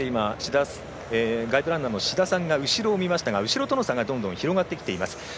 ガイドランナーの志田さんが後ろを見ましたが後ろとの差がどんどん広がってきています。